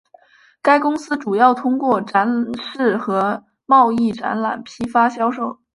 该公司主要是通过展示和贸易展览批发销售。